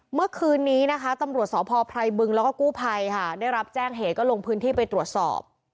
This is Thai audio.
เมื่อคืนนี้นะคะตำรวจสพไพรบึงแล้วก็กู้ภัยค่ะได้รับแจ้งเหตุก็ลงพื้นที่ไปตรวจสอบ